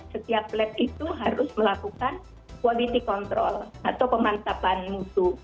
setiap lab itu harus melakukan quality control atau pemantapan musuh